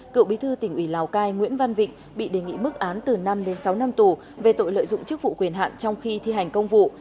cựu bí thư tỉnh ủy lào cai nguyễn văn vịnh bị đề nghị mức án từ năm đến sáu năm tù về tội lợi dụng chức vụ quyền hạn trong khi thi hành công vụ